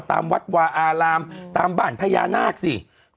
ตามวัดวาอารามตามบ้านพญานาคสิ